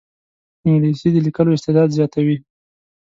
انګلیسي د لیکلو استعداد زیاتوي